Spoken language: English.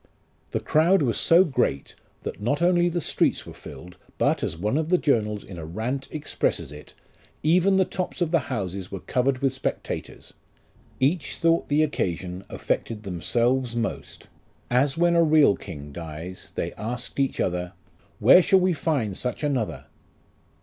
The crowd was so great, that not only the streets were filled, hut, as one of the journals _in a rant expresses it, "even the tops of the houses were covered with spectators. Each thought the occasion affected themselves most ; as when a real king dies, they asked each other, ' Where shall we find such another